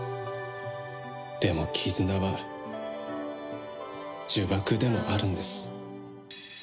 でも、絆は呪縛でもあるんです。